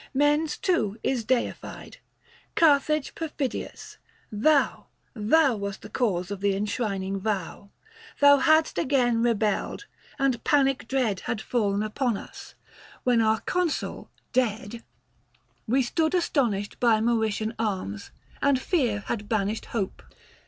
Mens, too, is deified : Carthage perfidious, thou Thou wast the cause of the enshrining vow. Thou hadst again rebelled, and panic dread Had fallen upon us ; when our consul, dead, 184 THE FASTI. Book VI. We stood astonished by Mauritian arms, 290 And fear had banished hope.